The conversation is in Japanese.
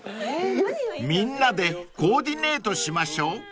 ［みんなでコーディネートしましょう］